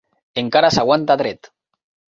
Encara s'aguanta dret.